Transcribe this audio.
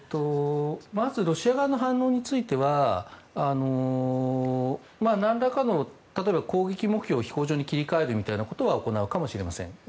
まずロシア側の反応については何らかの例えば攻撃目標を飛行場に切り替えるみたいなことは行うかもしれません。